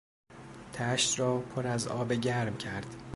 تشت را پر از آب گرم کرد.